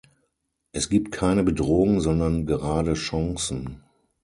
Es gibt keine Bedrohung, sondern gerade Chancen.